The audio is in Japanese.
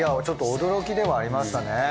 ちょっと驚きではありましたね。